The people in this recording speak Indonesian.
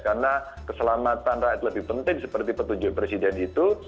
karena keselamatan rakyat lebih penting seperti petunjuk presiden itu